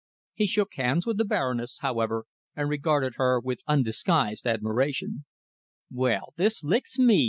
He shook hands with the Baroness, however, and regarded her with undisguised admiration. "Well, this licks me!"